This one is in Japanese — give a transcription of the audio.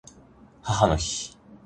母の日